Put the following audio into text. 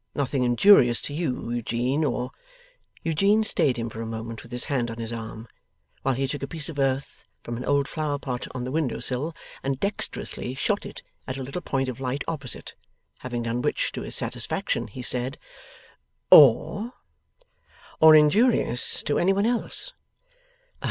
Nothing injurious to you, Eugene, or ' Eugene stayed him for a moment with his hand on his arm, while he took a piece of earth from an old flowerpot on the window sill and dexterously shot it at a little point of light opposite; having done which to his satisfaction, he said, 'Or?' 'Or injurious to any one else.